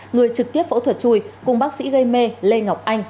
người trực tiếp phẫu thuật chui cùng bác sĩ gây mê lê ngọc anh